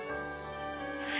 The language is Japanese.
はい！